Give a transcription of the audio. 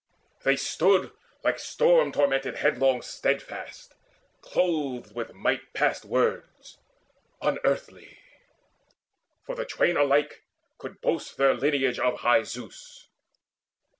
They stood Like storm tormented headlands steadfast, clothed With might past words, unearthly; for the twain Alike could boast their lineage of high Zeus.